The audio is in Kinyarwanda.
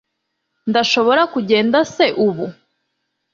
ndashobora kugenda se ubu